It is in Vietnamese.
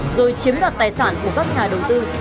rồi chiếm đoạt tài sản của các nhà đầu tư